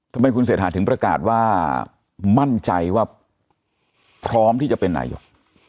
ทำไมคุณเศรษฐาถึงประกาศว่ามั่นใจว่าพร้อมที่จะเป็นนายก